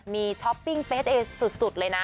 มีช้อปปิ้งเฟสเอสุดเลยนะ